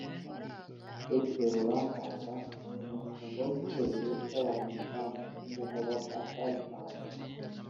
Dr Laurent Mbanda [Umushumba w’Itorero ry’Abangelikani] umugabo wa Chantal Mbanda